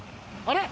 あれ？